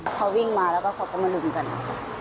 เขาวิ่งมาแล้วก็เขาก็มาลุมกัน